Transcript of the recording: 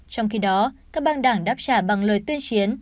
trong khi đó các băng đảng đáp trả bằng lời tuyên chiến